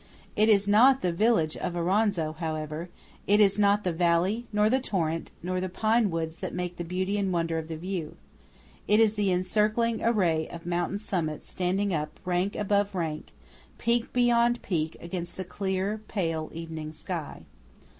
It is not the village of Auronzo, however, it is not the valley, nor the torrent, nor the pine woods that make the beauty and wonder of the view:–it is the encircling array of mountain summits standing up rank above rank, peak beyond peak, against the clear, pale, evening sky.